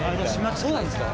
そうなんですか。